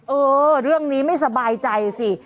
เออเรื่องนี้ไม่สบายใจสิ